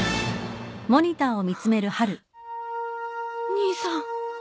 兄さん。